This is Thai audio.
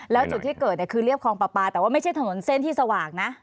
แล้วจุฐิเกิดคือเรียบคองป้าแต่ว่าไม่ใช่ถนนเส้นที่สว่างนะ